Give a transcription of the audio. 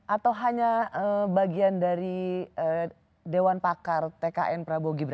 atau hanya bagian dari dewan pakar tkn prabowo gibran